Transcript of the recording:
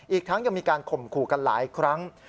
อีกทั้งยังมีการข่มขู่กันหลายครั้ง